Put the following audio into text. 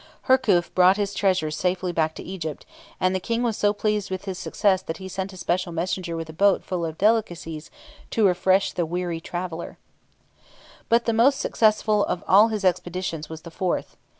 Herkhuf brought his treasures safely back to Egypt, and the King was so pleased with his success that he sent a special messenger with a boat full of delicacies to refresh the weary traveller. [Illustration: PLATE 12. A DESERT POSTMAN.] But the most successful of all his expeditions was the fourth.